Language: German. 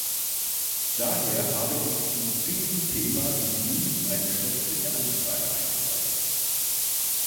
Daher habe ich zu diesem Thema im Juli eine schriftliche Anfrage eingereicht.